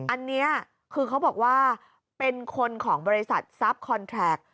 อันนี้คือเขาบอกว่าเป็นคนของบริษัททรัพย์คอนแทรก